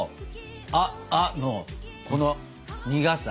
ア．アのこの苦さ。